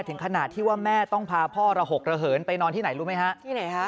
ถึงขนาดที่ว่าแม่ต้องพาพ่อระหกระเหินไปนอนที่ไหนรู้ไหมฮะที่ไหนฮะ